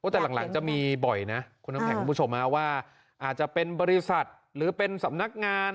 แต่หลังจะมีบ่อยนะคุณน้ำแข็งคุณผู้ชมว่าอาจจะเป็นบริษัทหรือเป็นสำนักงาน